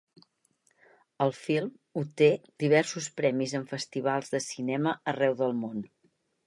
El film obté diversos premis en festivals de cinema arreu del món.